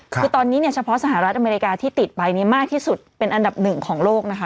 คือตอนนี้เนี่ยเฉพาะสหรัฐอเมริกาที่ติดไปมากที่สุดเป็นอันดับหนึ่งของโลกนะคะ